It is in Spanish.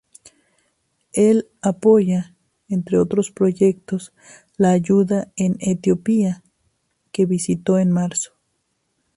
Él apoya, entre otros proyectos la ayuda en Etiopía, que visitó en marzo.